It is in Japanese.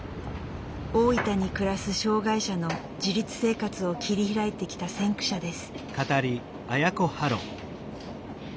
大分に暮らす障害者の自立生活を切り開いてきた先駆者です。